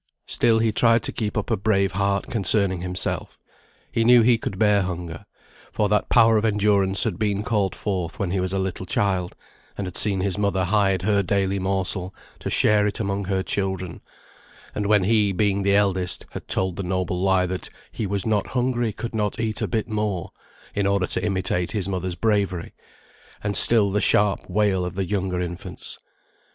Still he tried to keep up a brave heart concerning himself. He knew he could bear hunger; for that power of endurance had been called forth when he was a little child, and had seen his mother hide her daily morsel to share it among her children, and when he, being the eldest, had told the noble lie, that "he was not hungry, could not eat a bit more," in order to imitate his mother's bravery, and still the sharp wail of the younger infants.